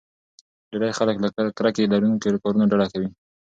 ډېری خلک له کرکې لرونکو کارونو ډډه کوي.